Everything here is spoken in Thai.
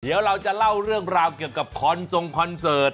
เดี๋ยวเราจะเล่าเรื่องราวเกี่ยวกับคอนทรงคอนเสิร์ต